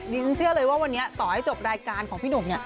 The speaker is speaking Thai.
ฉันเชื่อเลยว่าวันนี้ต่อให้จบรายการของพี่หนุ่มเนี่ย